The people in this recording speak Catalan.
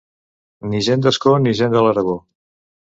Ni gent d'Ascó ni gent de l'Aragó.